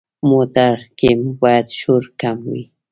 موټر کې باید شور کم وي.